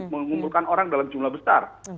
mengumpulkan orang dalam jumlah besar